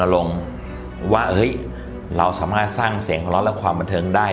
ลงว่าเฮ้ยเราสามารถสร้างเสียงหัวร้อนและความบันเทิงได้